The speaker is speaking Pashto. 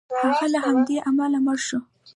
هغه له همدې امله مړ شو.